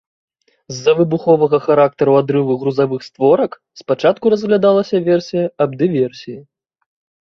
З-за выбуховага характару адрыву грузавых створак спачатку разглядалася версія аб дыверсіі.